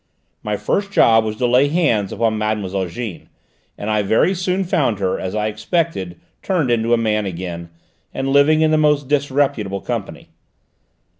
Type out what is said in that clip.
My first job was to lay hands upon Mademoiselle Jeanne, and I very soon found her, as I expected, turned into a man again, and living in the most disreputable company.